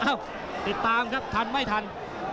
ติดตามครับทันไม่ทัน